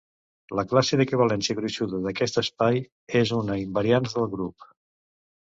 La classe d'equivalència gruixuda d'aquest espai és una invariants del grup.